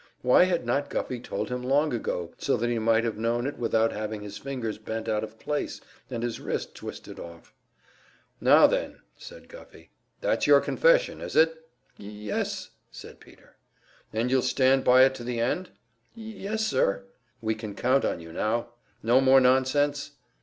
Why had not Guffey told him long ago, so that he might have known it without having his fingers bent out of place and his wrist twisted off? "Now then," said Guffey, "that's your confession, is it?" "Y y yes," said Peter. "And you'll stand by it to the end?" "Y y yes, sir." "We can count on you now? No more nonsense?"